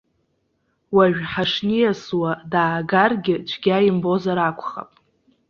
Уажә ҳашниасуа даагаргьы цәгьа имбозар акәхап.